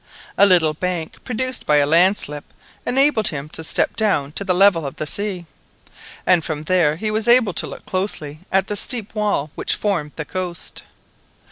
A little bank, produced by a landslip, enabled him to step down to the level of the sea, and from there he was able to look closely at the steep wall which formed the coast.